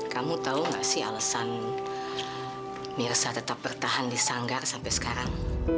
kamu tahu nggak sih alasan mirsa tetap bertahan di sanggar sampai sekarang